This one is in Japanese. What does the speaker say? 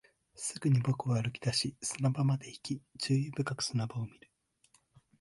すぐに僕は歩き出し、砂場まで行き、注意深く砂場を見る